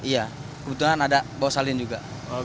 iya kebetulan ada bawa salin juga